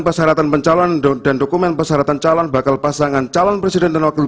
persyaratan pencalonan dan dokumen persyaratan calon bakal pasangan calon presiden dan wakil